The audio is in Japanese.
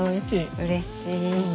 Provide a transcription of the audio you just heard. うれしい。